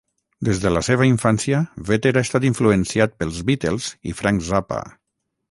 Des de la seva infància, Vetter ha estat influenciat pels Beatles i Frank Zappa.